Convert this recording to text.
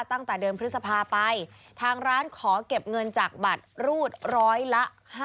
ตั้งแต่เดือนพฤษภาไปทางร้านขอเก็บเงินจากบัตรรูดร้อยละ๕๐